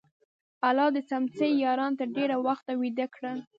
الله د څمڅې یاران تر ډېره وخته ویده کړل.